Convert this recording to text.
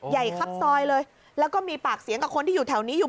ใหญ่ครับซอยเลยแล้วก็มีปากเสียงกับคนที่อยู่แถวนี้อยู่